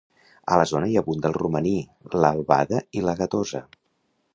A la zona hi abunda el romaní, l'albada i la gatosa.